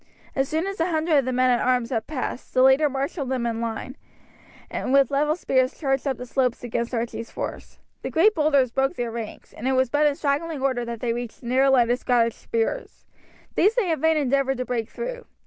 As soon as a hundred of the men at arms had passed, their leader marshalled them in line, and with level spears charged up the slopes against Archie's force. The great boulders broke their ranks, and it was but in straggling order that they reached the narrow line of Scottish spears. These they in vain endeavoured to break through.